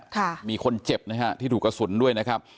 ค่ะมีคนเจ็บนะฮะที่ถูกกระสุนด้วยนะครับ